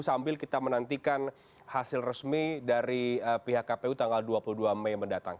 sambil kita menantikan hasil resmi dari pihak kpu tanggal dua puluh dua mei mendatang